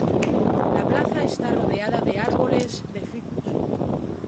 La plaza está rodeada de árboles de ficus.